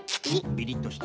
ビリッとして。